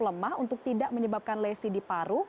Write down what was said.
lemah untuk tidak menyebabkan lesi di paru